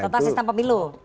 total sistem pemilu